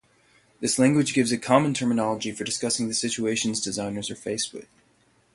This language gives a common terminology for discussing the situations designers are faced with.